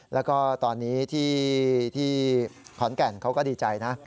แล้วก็ตอนนี้ที่ขอนแก่นเขาก็ดีใจนะ